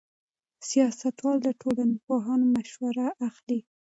سیاستوال له ټولنپوهانو مشوره اخلي.